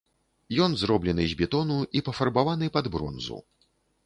Ён зроблены з бетону і пафарбаваны пад бронзу.